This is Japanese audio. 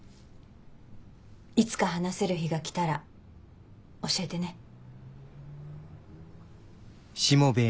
いつか話せる日が来たら教えてね。